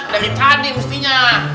dari tadi mestinya